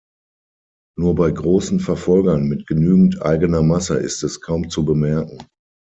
Nur bei großen Verfolgern mit genügend eigener Masse ist es kaum zu bemerken.